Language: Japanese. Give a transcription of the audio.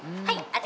はい。